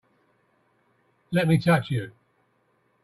Let me touch you!